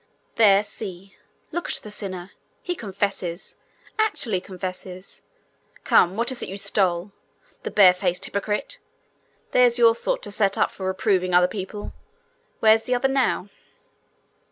'There! See! Look at the sinner! He confesses! Actually confesses! Come, what is it you stole? The barefaced hypocrite! There's your sort to set up for reproving other people! Where's the other now?'